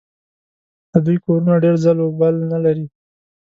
د دوی کورونه ډېر ځل و بل نه لري.